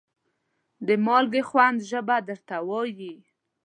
د مالګې خوند ژبه درته وایي.